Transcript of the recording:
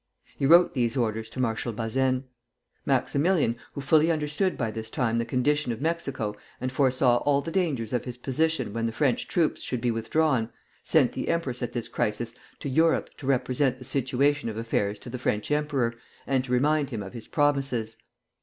He wrote these orders to Marshal Bazaine. Maximilian, who fully understood by this time the condition of Mexico, and foresaw all the dangers of his position when the French troops should be withdrawn, sent the empress at this crisis to Europe to represent the situation of affairs to the French emperor, and to remind him of his promises.